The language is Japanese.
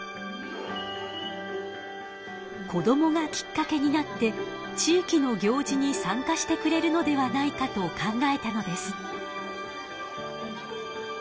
子どもがきっかけになって地域の行事に参加してくれるのではないかと考えたのです。